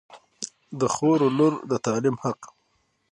د خور و لور د تعلیم حق